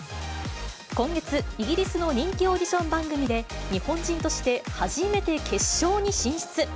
今月、イギリスの人気オーディション番組で、日本人として初めて決勝に進出。